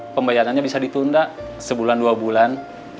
pembayarannya bisa ditunda sebulan dua bulan